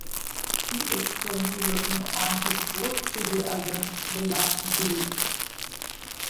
He is currently working on his fourth studio album "The Last Zulu".